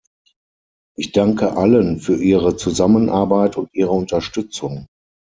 Ich danke allen für ihre Zusammenarbeit und ihre Unterstützung.